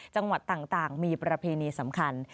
จังหวัดต่างมีประเพณีสำคัญ